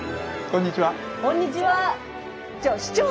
こんにちは！